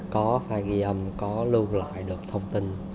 có file ghi âm có lưu lại được thông tin